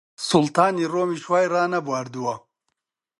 سوڵتانی ڕۆمیش وای ڕانەبواردووە!